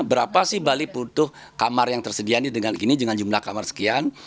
berapa sih bali butuh kamar yang tersedia dengan ini dengan jumlah kamar sekian